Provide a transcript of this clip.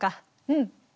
うん。